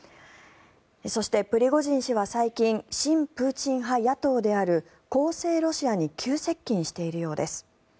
そして、プリゴジン氏は最近親プーチン派野党である公正ロシアに急接近しているようです。